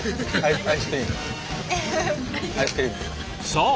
そう！